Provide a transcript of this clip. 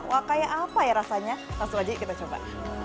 wah kayak apa ya rasanya langsung aja kita coba